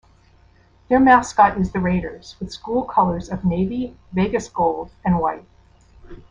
Their mascot is the Raiders, with school colors of navy, vegas gold, and white.